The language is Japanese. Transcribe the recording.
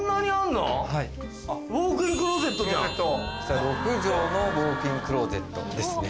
６帖のウォークインクローゼットですね。